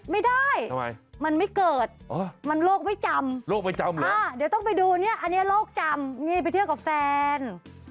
ไม่ได้มันไม่เกิดมันโลกไม่จำเดี๋ยวต้องไปดูนี่อันนี้โลกจำนี่ไปเที่ยวกับแฟน